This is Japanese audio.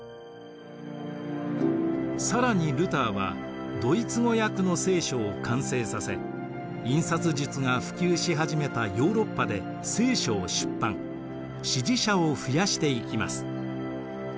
更にルターはドイツ語訳の「聖書」を完成させ印刷術が普及し始めたヨーロッパで「聖書」を出版支持者を増やしていきます。